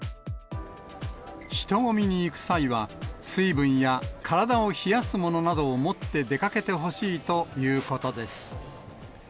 人混みに行く際は、水分や体を冷やすものなどを持って出かけてほしいということです。